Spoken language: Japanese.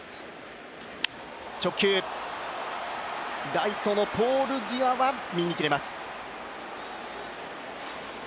ライトのポール際は右にきれます。